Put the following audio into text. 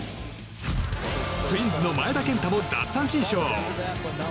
ツインズの前田健太も奪三振ショー！